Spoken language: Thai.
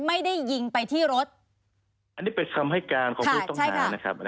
ไม่ได้ยิงไปที่รถอันนี้เป็นคำให้การของผู้ต้องหานะครับ